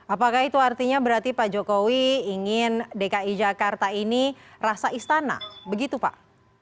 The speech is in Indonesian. apakah itu artinya berarti pak jokowi ingin dki jakarta ini rasa istana begitu pak